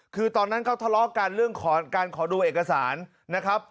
คือตอนนั้นเขาทะเลาะกันเรื่องการขอดูเอกสารนะครับ